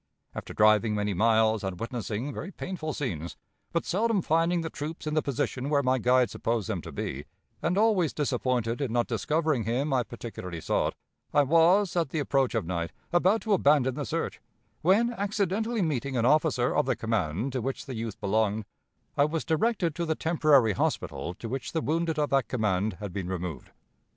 After driving many miles, and witnessing very painful scenes, but seldom finding the troops in the position where my guide supposed them to be, and always disappointed in not discovering him I particularly sought, I was, at the approach of night, about to abandon the search, when, accidentally meeting an officer of the command to which the youth belonged, I was directed to the temporary hospital to which the wounded of that command had been removed.